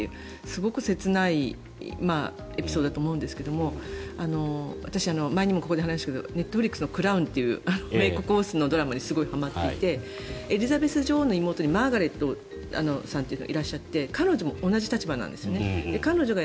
すごく切ないエピソードだと思うんですが私、前にも話したけどネットフリックスの「クラウン」という英国王室のドラマにすごくはまっていてエリザベス女王の妹にマーガレットさんというのがいらっしゃって彼女も同じ立場なんです。